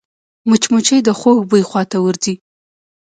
مچمچۍ د خوږ بوی خواته ورځي